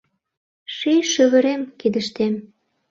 Ший шӱвырем кидыштем